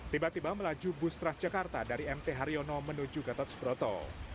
tiba tiba melaju bus transjakarta dari mt haryono menuju gatot subroto